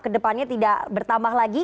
kedepannya tidak bertambah lagi